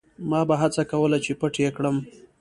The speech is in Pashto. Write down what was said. ما به هڅه کوله چې پټ یې کړم.